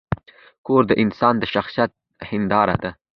کور د انسان د شخصیت هنداره ده.